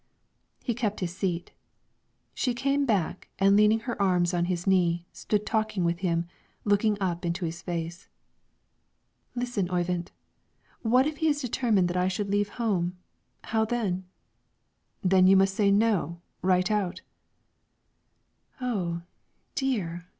He kept his seat; she came back, and leaning her arms on his knee, stood talking with him, looking up into his face. "Listen, Oyvind; what if he is determined I shall leave home, how then?" "Then you must say No, right out." "Oh, dear!